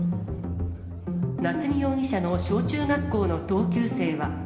夏見容疑者の小中学校の同級生は。